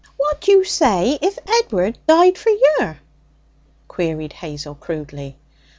'What'd you say if Ed'ard died for yer?' queried Hazel crudely.